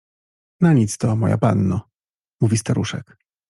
— Na nic to, moja panno — mówi staruszek.